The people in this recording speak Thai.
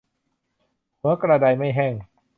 หัวกระไดไม่แห้ง